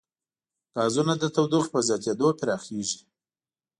ګازونه د تودوخې په زیاتېدو پراخېږي.